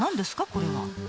これは。